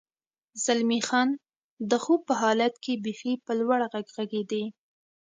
زلمی خان: د خوب په حالت کې بېخي په لوړ غږ غږېدې.